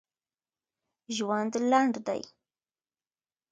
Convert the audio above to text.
ژوند لنډ دی